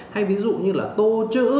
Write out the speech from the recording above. hay ví dụ như là tô chữ